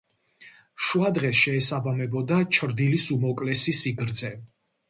შუადღეს შეესაბამებოდა ჩრდილის უმოკლესი სიგრძე.